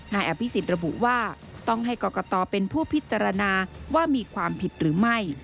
นายอภิษฎระบุว่าต้องให้กรกตเป็นผู้พิจารณาว่ามีความผิดหรือไม่